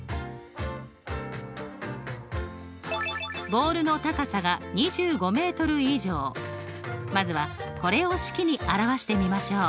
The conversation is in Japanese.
ボールの高さが２５以上まずはこれを式に表してみましょう。